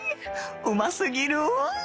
うますぎる！